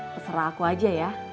terserah aku aja ya